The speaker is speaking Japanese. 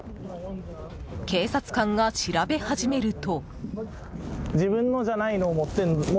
警察官が調べ始めると。